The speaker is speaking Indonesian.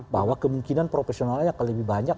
bahwa kemungkinan profesionalnya akan lebih banyak